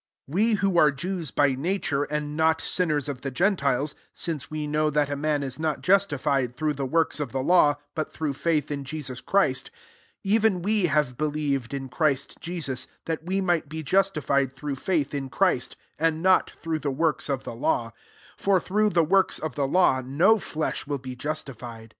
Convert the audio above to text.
15 We, who are Jews by na ture, and not sinners of the gen tiles, 16 since we know that a man is not justified through Me works of the law, but through faith in Jesus Christ; even we have believed in Christ Je sus, that we might be justified through faith in Christ, and not through the works of the law : for through the works of Mf law no flesh will be justified.